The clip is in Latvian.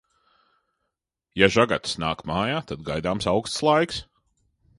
Ja žagatas nāk mājā, tad gaidāms auksts laiks.